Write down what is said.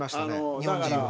日本人は。